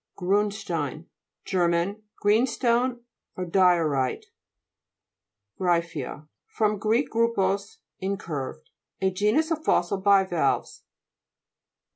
GRUNDSTEIN Ger. Greenstone or diorite. GRY'PHEA fr. gr. grupos, incurved. A genus of fossil bivalves.